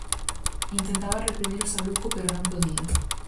Intentaba reprimir o saluco pero non podía.